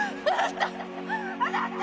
あなた！